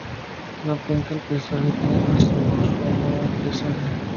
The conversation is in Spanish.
No pinta el paisaje que ama, sino su amor al paisaje.